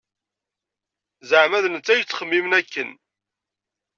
Zeɛma d netta i yettxemmimen akken.